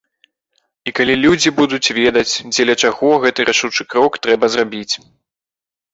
І калі людзі будуць ведаць, дзеля чаго гэты рашучы крок трэба зрабіць.